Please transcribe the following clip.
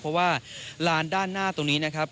เพราะว่าลานด้านหน้าตรงนี้นะครับ